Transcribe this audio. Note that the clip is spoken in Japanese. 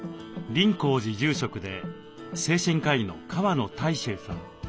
林香寺住職で精神科医の川野泰周さん。